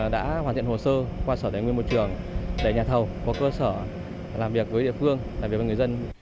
đã hoàn thiện hồ sơ qua sở tài nguyên môi trường để nhà thầu có cơ sở làm việc với địa phương làm việc với người dân